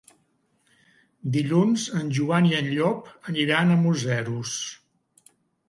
Dilluns en Joan i en Llop aniran a Museros.